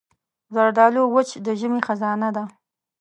زردالو وچ د ژمي خزانه ده.